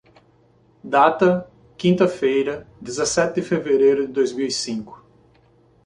Data: quinta-feira, dezessete de fevereiro de dois mil e cinco.